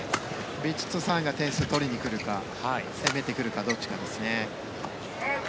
ヴィチットサーンが点数を取りに来るか攻めてくるかどっちかですね。